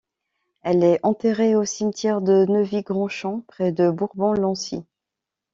Elle est enterrée au cimetière de Neuvy-Grandchamp, près de Bourbon-Lancy.